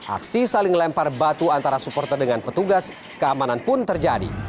aksi saling lempar batu antara supporter dengan petugas keamanan pun terjadi